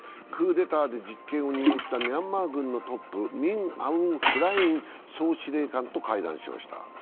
クーデターで実権を握ったミャンマー軍のトップ、ミン・アウン・フライン総司令官と会談しました。